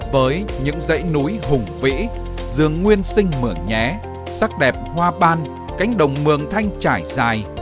với những dãy núi hùng vĩ dường nguyên sinh mở nhé sắc đẹp hoa ban cánh đồng mường thanh trải dài